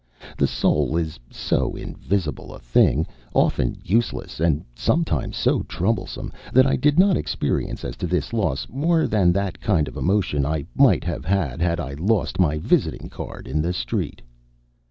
The soul is so invisible a thing, often useless and sometimes so troublesome, that I did not experience, as to this loss, more than that kind of emotion I might have, had I lost my visiting card in the street.